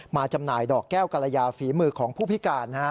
จำหน่ายดอกแก้วกรยาฝีมือของผู้พิการ